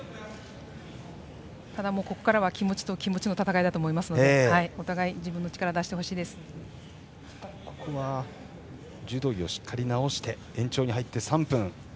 ここからは気持ちと気持ちの戦いだと思いますのでお互い、自分の力をここは柔道着をしっかり直して延長に入って３分。